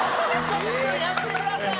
やめてください！